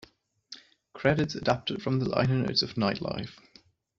Credits adapted from the liner notes of "Nightlife".